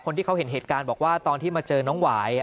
คนที่เขาเห็นเหตุการณ์บอกว่าตอนที่มาเจอน้องหวาย